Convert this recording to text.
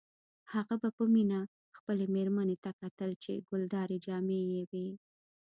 هغه به په مینه خپلې میرمنې ته کتل چې ګلدارې جامې یې وې